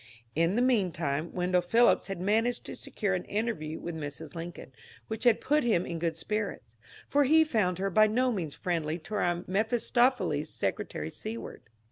In the mean time Wendell Phillips had managed to secure an interview with Mrs. Lincoln, which had put him in good spirits ; for he found her by no means friendly to our Mephistopheles, Secretary Seward.